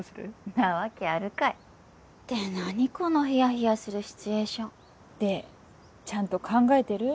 なわけあるかいって何このヒヤヒヤするシチュエーションでちゃんと考えてる？